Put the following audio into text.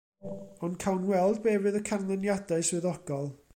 Ond cawn weld be fydd y canlyniadau swyddogol.